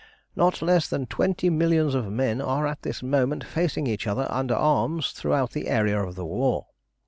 "Not less than twenty millions of men are at this moment facing each other under arms throughout the area of the war.